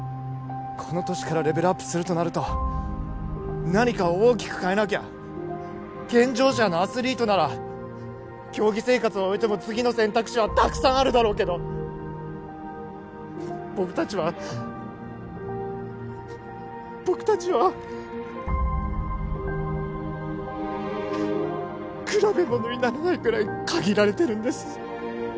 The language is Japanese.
この年からレベルアップするとなると何かを大きく変えなきゃ健常者のアスリートなら競技生活を終えても次の選択肢はたくさんあるだろうけど僕達は僕達は比べものにならないぐらい限られてるんです